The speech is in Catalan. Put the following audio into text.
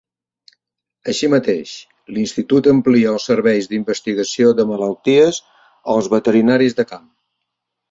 Així mateix, l'Institut amplia els serveis d'investigació de malalties als veterinaris de camp.